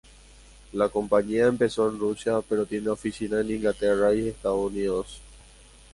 La compañía empezó en Rusia, pero tiene oficinas en Inglaterra y Estados Unidos.